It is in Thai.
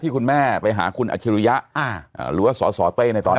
คุณแม่ไปหาคุณอัจฉริยะหรือว่าสสเต้ในตอนนั้น